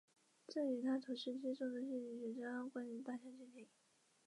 商船三井大楼是一座位于兵库县神户市中央区的历史建筑。